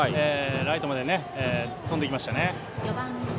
ライトまで飛んでいきましたね。